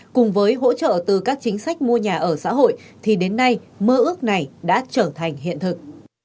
cùng với hỗ trợ từ các chính sách mua nhà ở xã hội thì đến nay mơ ước này đã trở thành hiện thực